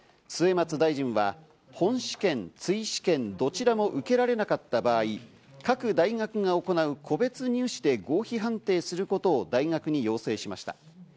末松大臣は本試験・追試験どちらも受けられなかった場合、各大学が行う個別入試で合否判定することを大学に要請しました。